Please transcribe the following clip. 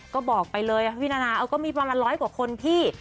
ก็บอกไปเลยพี่นานาเออก็มีประมาณร้อยกว่าคนพี่